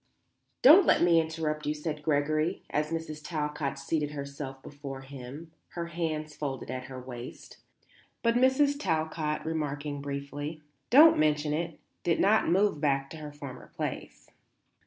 "Don't let me interrupt you," said Gregory, as Mrs. Talcott seated herself before him, her hands folded at her waist. But Mrs. Talcott, remarking briefly, "Don't mention it," did not move back to her former place.